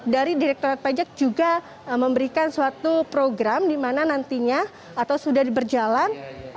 dari direkturat pajak juga memberikan suatu program di mana nantinya atau sudah berjalan